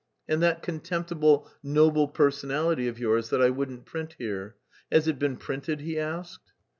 "And that contemptible 'Noble Personality' of yours, that I wouldn't print here. Has it been printed?" he asked.